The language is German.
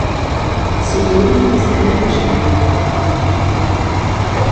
Soeben ist eine Entscheidung gefallen.